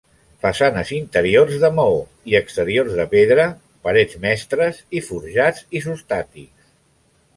Façanes interiors de maó i exteriors de pedra, parets mestres i forjats isostàtics.